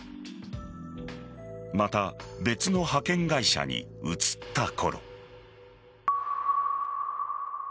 また別の派遣会社に移ったころ。